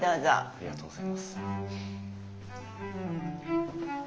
ありがとうございます。